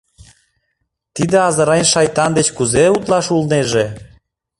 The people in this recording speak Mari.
Тиде азырен-шайтан деч кузе утлаш улнеже?